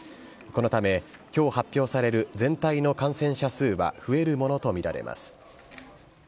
このため、きょう発表される全体の感染者数は増えるものと見られます。